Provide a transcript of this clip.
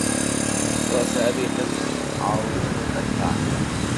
رأس أبي حفص عظيم المنفعه